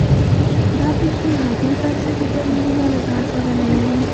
دا پېښې حتمي بنسټي بدلونونه له ځان سره نه لري.